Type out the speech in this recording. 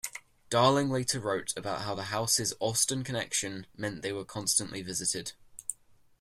Darling later wrote about how the house's Austen connection meant they were constantly visited.